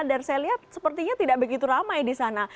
dan saya lihat sepertinya tidak begitu ramai di sana